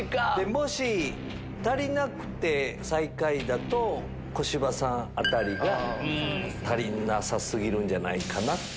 もし足りなくて最下位だと小芝さんあたりが足りなさ過ぎるんじゃないかと。